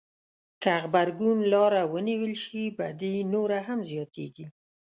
که غبرګون لاره ونیول شي بدي نوره هم زياتېږي.